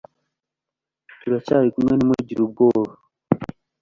Turacyari kumwe ntimugire ubwoba